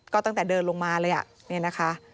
ก็ตั้งแต่เดินลงมาเลยนี่นะคะ